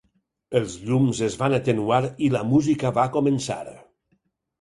Els llums es van atenuar i la música va començar.